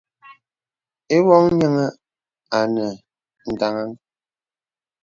Ìwɔ̀ŋ nyìəŋə̀ ànə ndaŋaŋ.